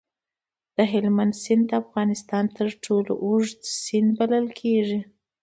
د هلمند سیند د افغانستان تر ټولو اوږد سیند بلل کېږي.